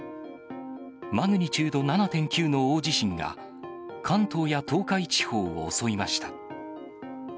マグニチュード７．９の大地震が、関東や東海地方を襲いました。